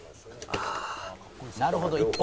「ああなるほど！」